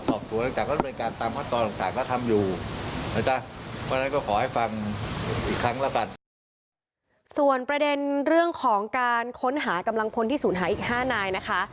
ส่วนประเด็นเรื่องของการค้นหากำลังพลที่ศูนย์หายอีก๕นายนะคะ